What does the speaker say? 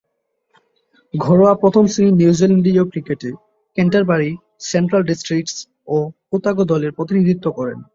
ঘরোয়া প্রথম-শ্রেণীর নিউজিল্যান্ডীয় ক্রিকেটে ক্যান্টারবারি, সেন্ট্রাল ডিস্ট্রিক্টস ও ওতাগো দলের প্রতিনিধিত্ব করেন।